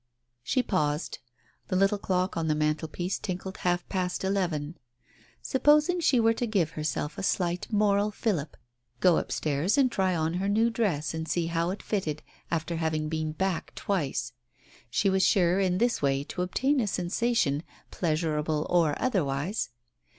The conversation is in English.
... She paused. The little clock on the mantelpiece tinkled half past eleven. Supposing she were to give herself a slight moral fillip — go upstairs and try on her Digitized by Google THE OPERATION 45 new dress, and see how it fitted, after having been "back" twice. She was sure in this way to obtain a sensation, pleasurable or otherwise.